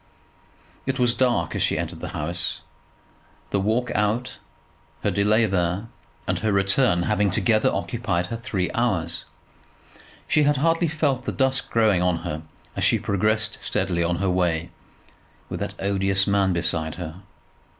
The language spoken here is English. It was dark as she entered the house, the walk out, her delay there, and her return having together occupied her three hours. She had hardly felt the dusk growing on her as she progressed steadily on her way, with that odious man beside her.